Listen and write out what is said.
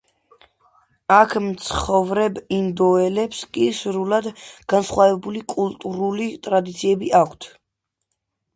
აქ მცხოვრებ ინდიელებს კი სრულიად განსხვავებული კულტურული ტრადიციები აქვთ.